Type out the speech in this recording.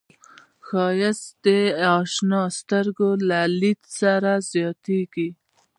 ښایست د اشنا سترګو له لید سره زیاتېږي